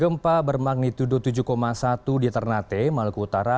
gempa bermagnitudo tujuh satu di ternate maluku utara